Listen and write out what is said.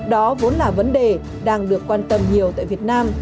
đó vốn là vấn đề đang được quan tâm nhiều tại việt nam